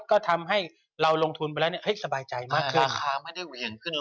ก็ทำให้เราลงทุนไปแล้วสบายใจมากขึ้น